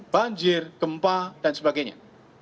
banjir gempa dan sebagainya